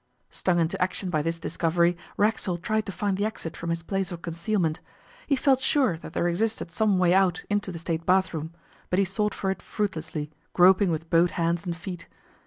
Stung into action by this discovery, Racksole tried to find the exit from his place of concealment. He felt sure that there existed some way out into the State bathroom, but he sought for it fruitlessly, groping with both hands and feet.